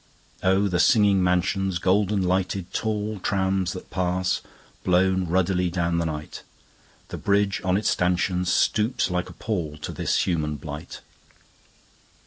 Oh, the singing mansions, Golden lighted tallTrams that pass, blown ruddily down the night! The bridge on its stanchionsStoops like a pallTo this human blight.